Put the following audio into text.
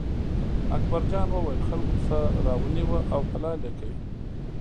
اکبر جان وویل: خلکو پسه را ونیوه او حلال یې کړ.